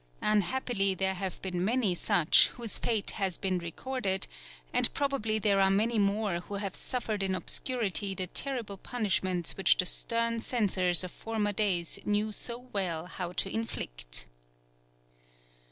Unhappily there have been many such whose fate has been recorded, and probably there are many more who have suffered in obscurity the terrible punishments which the stern censors of former days knew so well how to inflict.